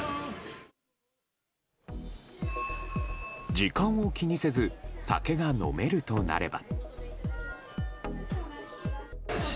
時間を気にせず酒が飲めるとなれば。